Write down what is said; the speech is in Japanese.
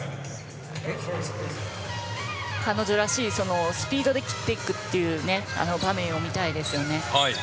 彼女らしいスピードで切っていくという場面を見たいですよね。